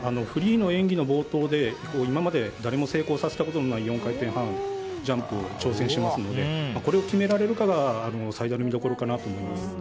フリーの演技の冒頭で今まで誰も成功させたことのない４回転半ジャンプに挑戦しますのでこれを決められるかが最大の見どころかなと思います。